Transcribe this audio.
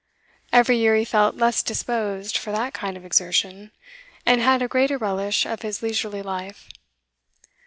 Every year he felt less disposed for that kind of exertion, and had a greater relish of his leisurely life.